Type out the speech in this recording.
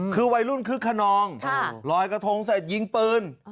คือวัยรุ่นคึกขนองลอยกระทงเสร็จยิงปืน